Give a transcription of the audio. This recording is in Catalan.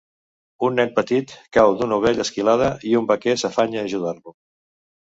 Un nen peti cau d'una ovella esquilada i un vaquer s'afanya a ajudar-lo.